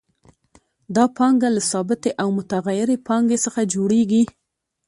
دا پانګه له ثابتې او متغیرې پانګې څخه جوړېږي